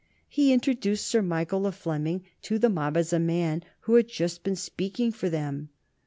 He introduced Sir Michael le Fleming to the mob as a man who had just been speaking for them.